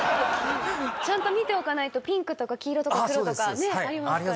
ちゃんと見ておかないとピンクとか黄色とか黒とかねえ。ありますから。